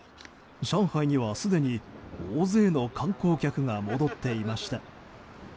上海にはすでに大勢の観光客が戻っていました。